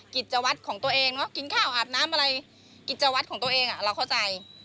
กิจวัตรของตัวเองกินข้าวอาบน้ำอะไรกิจวัตรของตัวเองเราเข้าใจ